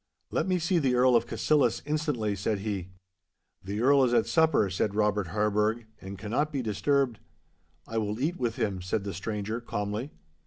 'Let me see the Earl of Cassillis instantly!' said he. 'The Earl is at supper,' said Robert Harburgh, 'and cannot be disturbed.' 'I will eat with him,' said the stranger, calmly.